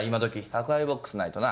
宅配ボックスないとな。